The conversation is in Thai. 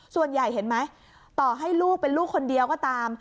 เห็นไหมต่อให้ลูกเป็นลูกคนเดียวก็ตาม